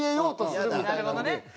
なるほどね。